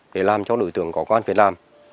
để làm cho đối tượng có công an việc làm